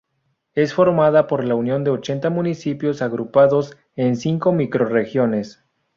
Es formada por la unión de ochenta municipios agrupados en cinco microrregiones.